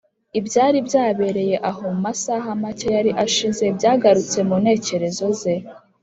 ibyari byabereye aho mu masaha make yari ashize byagarutse mu ntekerezo ze